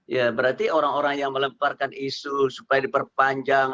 ya berarti orang orang yang melemparkan isu supaya diperpanjang